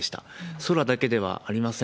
空だけではありません。